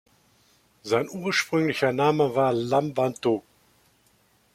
Sein ursprünglicher Name war Lam Van Tuc.